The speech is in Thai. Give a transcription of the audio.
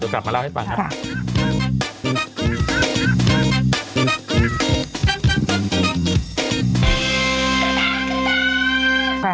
เดี๋ยวกลับมาเล่าให้ฟังครับ